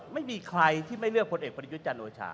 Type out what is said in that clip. ไม่มีใครที่ไม่เลือกคนเอกปฏิยุชันโอชา